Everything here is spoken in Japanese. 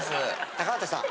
高畑さん